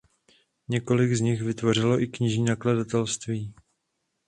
Několik z nich vytvořilo i knižní nakladatelství.